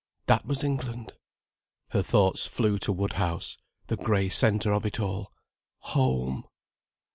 That was England! Her thoughts flew to Woodhouse, the grey centre of it all. Home!